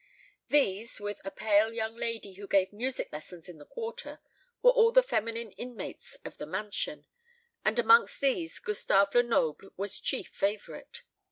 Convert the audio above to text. These, with a pale young lady who gave music lessons in the quarter, were all the feminine inmates of the mansion; and amongst these Gustave Lenoble was chief favourite.